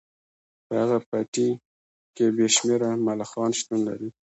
په هغه پټي کې بې شمیره ملخان شتون لري